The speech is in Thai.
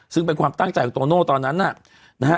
ซึ่งเป็นความตั้งใจของโตโน่ตอนนั้นน่ะนะฮะ